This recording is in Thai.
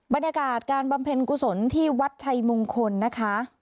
บรรยากาศการบำเพ็ญกุศลที่วัดชัยมงคลนะคะ